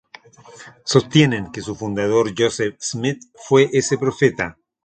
Sostienen que su fundador, Joseph Smith, fue ese profeta.